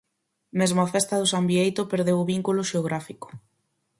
Mesmo a festa do San Bieito perdeu o vínculo xeográfico.